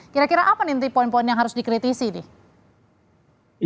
kira kira apa nih nanti poin poin yang harus dikritisi nih